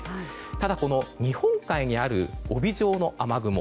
ただ、この日本海にある帯状の雨雲